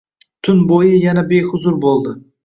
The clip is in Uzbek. Tun bo‘yi yana behuzur bo‘ldi